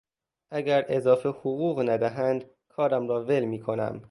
اگر اضافه حقوق ندهند کارم را ول میکنم.